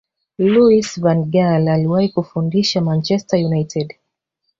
louis van gaal aliwahi kufundisha manchester united